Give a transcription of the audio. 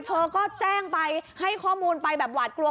เธอก็แจ้งไปให้ข้อมูลไปแบบหวาดกลัว